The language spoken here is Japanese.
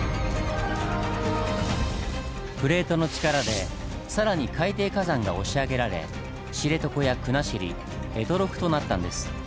プレートの力で更に海底火山が押し上げられ知床や国後択捉となったんです。